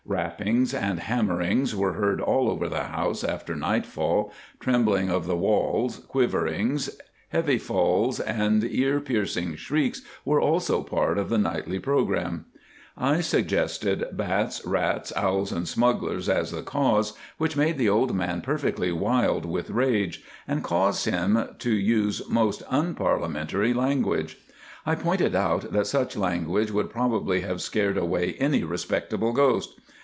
Rappings and hammerings were heard all over the house after nightfall, trembling of the walls, quiverings. Heavy falls and ear piercing shrieks were also part of the nightly programme. I suggested bats, rats, owls, and smugglers as the cause, which made the old man perfectly wild with rage, and caused him to use most unparliamentary language. I pointed out that such language would probably have scared away any respectable ghost.